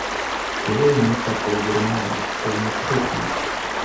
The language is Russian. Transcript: Слово имеет посол Германии Хельмут Хоффман.